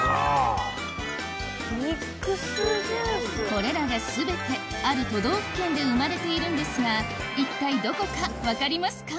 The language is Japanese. これらが全てある都道府県で生まれているんですが一体どこか分かりますか？